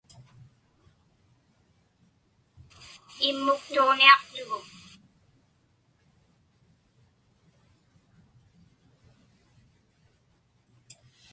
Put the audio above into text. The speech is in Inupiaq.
Immuktuġniaqtuguk.